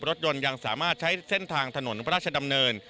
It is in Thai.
รถยนต์ยังสามารถใช้เส้นทางถนนพระราชดำเนิน